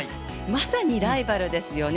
まさにライバルですよね。